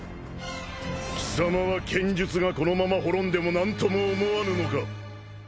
貴様は剣術がこのまま滅んでも何とも思わぬのか？